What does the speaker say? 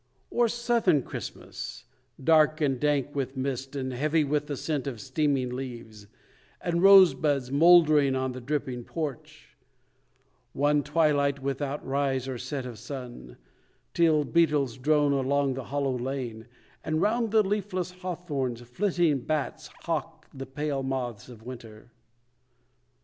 Or southern Christmas, dark and dank with mist, And heavy with the scent of steaming leaves, And rosebuds mouldering on the dripping porch; One twilight, without rise or set of sun, Till beetles drone along the hollow lane, And round the leafless hawthorns, flitting bats Hawk the pale moths of winter?